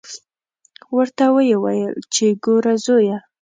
ورته ویې ویل چې ګوره زویه.